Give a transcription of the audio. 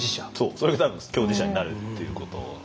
それが多分共事者になるっていうこと。